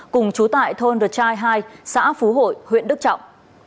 cùng chú tại thôn r chai hai xã phú hội huyện đức trọng